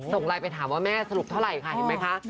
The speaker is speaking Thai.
ส่งไลน์ไปถามว่าแม่สรุปเท่าไหร่ค่ะเห็นไหมคะ